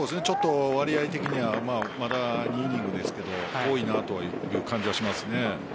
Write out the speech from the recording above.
割合的にはまだ２イニングですが多いなという感じはしますね。